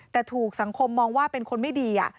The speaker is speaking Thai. แต่ถูกสังคมมองว่าเป็นคนไม่ดี